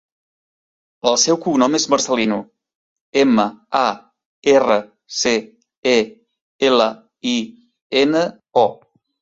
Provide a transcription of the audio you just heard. El seu cognom és Marcelino: ema, a, erra, ce, e, ela, i, ena, o.